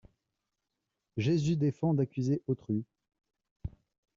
Jésus défend d'accuser autrui.